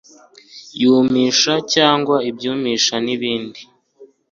yumisha cyangwa ibyimbisha nibindi